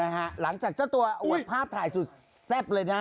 หลังจากเจ้าตัวอวดภาพถ่ายสุดแซ่บเลยนะ